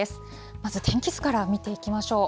まず天気図から見ていきましょう。